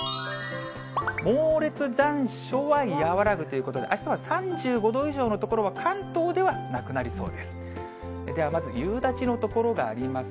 猛烈残暑は和らぐということで、あしたは３５度以上の所は、関東では、なくなりそうです。